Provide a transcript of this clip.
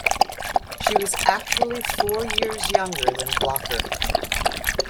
She was actually four years younger than Blocker.